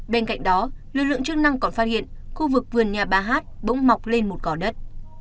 bên cạnh đó lực lượng chức năng còn phát hiện khu vực vườn nhà ba hát bỗng mọc lên một gỏ đất